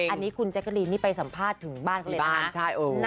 อันนี้คุณแจกรีนไปสัมภาษณ์ถึงบ้านเขาเลยนะ